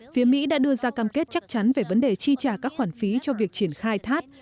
phía mỹ đã đưa ra cam kết chắc chắn về vấn đề chi trả các khoản phí cho việc triển khai thác